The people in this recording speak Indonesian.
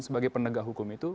sebagai penegak hukum itu